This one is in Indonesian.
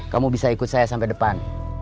kamu bisa ikut saya sampai depan